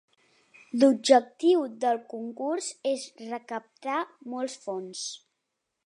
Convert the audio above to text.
L'objectiu del concurs és recaptar molts fons.